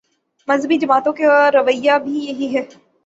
مذہبی جماعتوں کا رویہ بھی یہی ہے۔